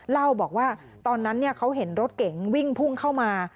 เล่าบอกว่าตอนนั้นเขาเห็นรถเก๋งวิ่งพุ่งเข้ามา